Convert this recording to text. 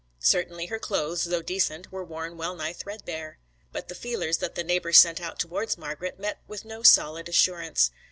Certainly her clothes, though decent, were worn well nigh threadbare. But the feelers that the neighbours sent out towards Margret met with no solid assurance.